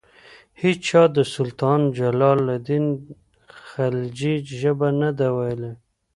هیچا د سلطان جلال الدین خلجي ژبه نه ده ویلي.